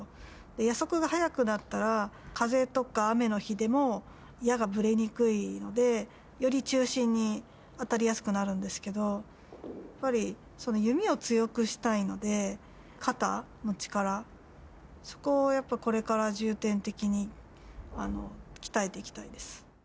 矢速が速くなったら、風とか雨の日でも、矢がぶれにくいので、より中心に当たりやすくなるんですけど、やっぱり弓を強くしたいので、肩の力、そこをやっぱこれから重点的に鍛えていきたいです。